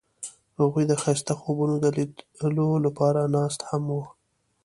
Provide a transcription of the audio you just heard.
هغوی د ښایسته خوبونو د لیدلو لپاره ناست هم وو.